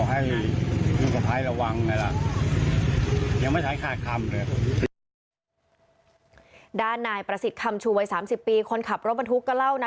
หยุดคำยังไม่ใช่ทุกเรื่อง